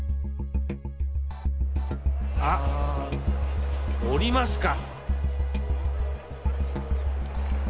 あっ降りますか。